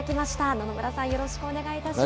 野々村さん、よろしくお願いいたします。